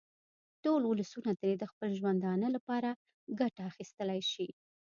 ټول ولسونه ترې د خپل ژوندانه لپاره ګټه اخیستلای شي.